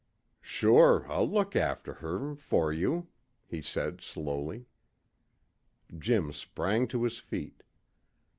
"Sure I'll look after her for you," he said slowly. Jim sprang to his feet.